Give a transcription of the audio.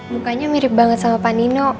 mukanya mirip banget sama pak nino